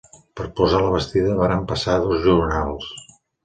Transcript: Per posar la bastida varen passar dos jornals.